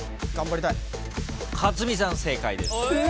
克実さん正解です。